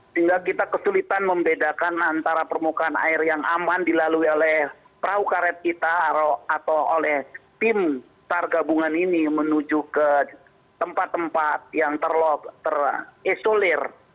sehingga kita kesulitan membedakan antara permukaan air yang aman dilalui oleh perahu karet kita atau oleh tim sar gabungan ini menuju ke tempat tempat yang terisolir